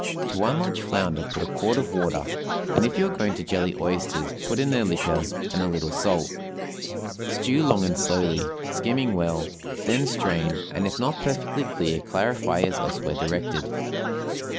To one large flounder put a quart of water, and if you are going to jelly oysters put in their liquor and a little salt. Stew long and slowly, skimming well; then strain, and if not perfectly clear clarify as elsewhere directed.